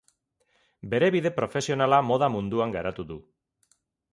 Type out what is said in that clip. Bere bide profesionala moda munduan garatu du.